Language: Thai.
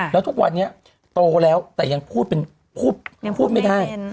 แล้วทุกวันนี้โตแล้วแต่ยังพูดเป็นพูดไม่ได้